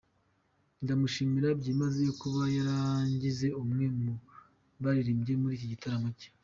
Ndamushimira byimazeyo kuba yarangize umwe mu baririmbye muri ikigitaramo cye.